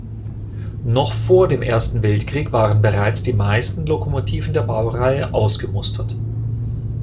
Noch vor dem Ersten Weltkrieg waren bereits die meisten Lokomotiven der Baureihe ausgemustert.